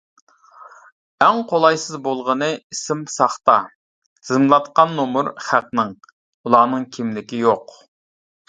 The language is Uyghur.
ئەڭ قولايسىز بولغىنى ئىسىم ساختا، تىزىملاتقان نومۇر خەقنىڭ، ئۇلارنىڭ كىملىكى يوق!